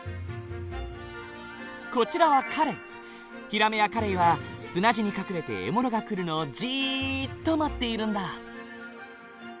こちらはヒラメやカレイは砂地に隠れて獲物が来るのをじっと待っているんだ。